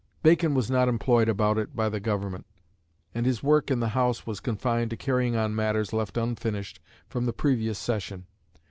Bacon was not employed about it by Government, and his work in the House was confined to carrying on matters left unfinished from the previous session.